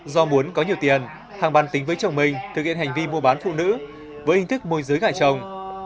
do muốn có nhiều tiền hàng bàn tính với chồng mình thực hiện hành vi mua bán phụ nữ với hình thức môi giới gà chồng